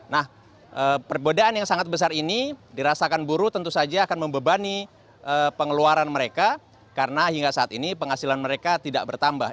nah perbedaan yang sangat besar ini dirasakan buruh tentu saja akan membebani pengeluaran mereka karena hingga saat ini penghasilan mereka tidak bertambah